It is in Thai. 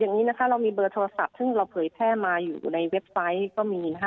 อย่างนี้นะคะเรามีเบอร์โทรศัพท์ซึ่งเราเผยแพร่มาอยู่ในเว็บไซต์ก็มีนะคะ